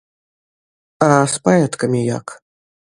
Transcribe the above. А з паэткамі як?